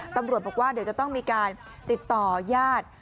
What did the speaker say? ตำรวจบอกว่าเดี๋ยวจะต้องมีการติดต่อญาติ